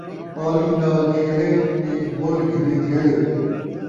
ٻالیں نال چھیڑے تے مُل گھنے جھیڑے